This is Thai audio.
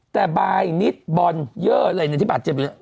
แต่บายนิดบอลเยอะอะไรที่บาดเจ็บหรือ